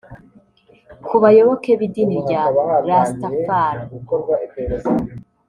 Ku bayoboke b’idini ya Rastafari